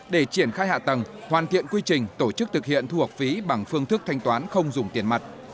để triển khai hạ tầng hoàn thiện quy trình tổ chức thực hiện thu học phí bằng phương thức thanh toán không dùng tiền mặt